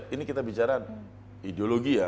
ini kita bicara ideologi ya